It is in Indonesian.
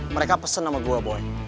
mereka pesen sama gua boy